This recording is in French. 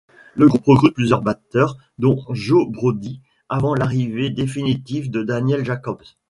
Le groupe recrute plusieurs batteurs dont Joe Brodie, avant l'arrivée définitive de Daniel Jacobs.